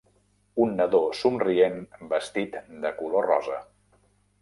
Un nadó somrient vestit de color rosa.